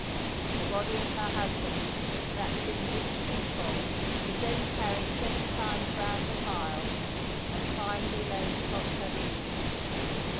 The body of her husband, wrapped in rich kincob, was then carried seven times round the pile, and finally laid across her knees.